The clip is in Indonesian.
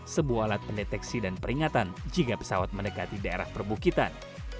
sebuah alat pendeteksi dan peringatan jika pesawat mendekati daerah perbukitan